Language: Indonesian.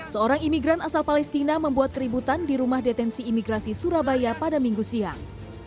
seorang imigran asal palestina membuat keributan di rumah detensi imigrasi surabaya pada minggu siang